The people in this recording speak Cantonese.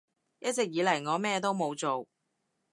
一直以嚟我咩都冇做